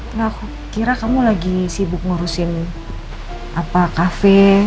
iya aku kira kamu lagi sibuk ngurusin apa kafe